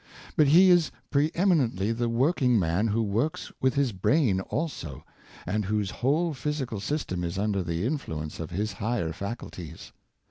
But he is pre eminently the working man who works with his brain also, and whose whole physical system is under the influence of his higher faculties.